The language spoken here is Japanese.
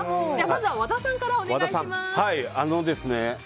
まずは和田さんからお願いします。